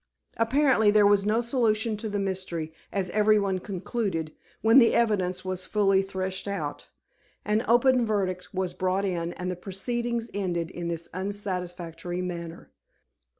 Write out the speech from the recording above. Apparently there was no solution to the mystery, as every one concluded, when the evidence was fully threshed out. An open verdict was brought in, and the proceedings ended in this unsatisfactory manner.